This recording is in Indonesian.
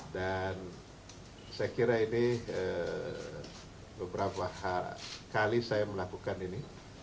dan saya kira ini beberapa kali saya melakukan ini